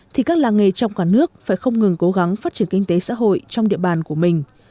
thì các làng nghề trong cả nước phải không ngừng cố gắng phát triển kinh tế xã hội trong địa bàn của mình